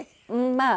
まあ。